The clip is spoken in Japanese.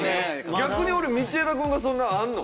逆に俺道枝くんがそんなあるの？